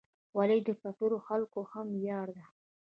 خولۍ د فقیرو خلکو هم ویاړ ده.